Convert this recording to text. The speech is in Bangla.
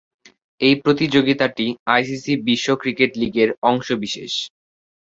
এ প্রতিযোগিতাটি আইসিসি বিশ্ব ক্রিকেট লীগের অংশবিশেষ।